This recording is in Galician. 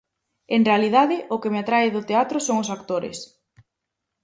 En realidade, o que me atrae do teatro son os actores.